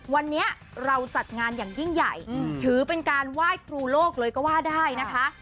วันนี้เราจัดงานอย่างยิ่งใหญ่ถือเป็นการไหว้ครูโลกเลยก็ว่าได้นะคะ